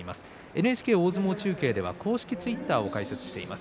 ＮＨＫ大相撲中継では公式ツイッターを開設しています。